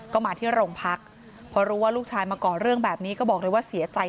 ก็มาที่โรงพักพอรู้ว่าลูกชายมาก่อเรื่องแบบนี้ก็บอกเลยว่าเสียใจ